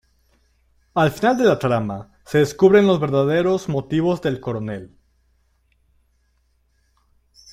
Al final de la trama se descubren los verdaderos motivos del coronel.